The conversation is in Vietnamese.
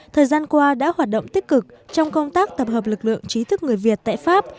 thời gian qua đã hoạt động tích cực trong công tác tập hợp lực lượng trí thức người việt tại pháp